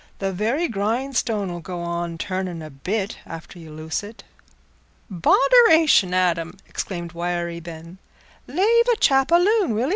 The very grindstone 'ull go on turning a bit after you loose it." "Bodderation, Adam!" exclaimed Wiry Ben; "lave a chap aloon, will 'ee?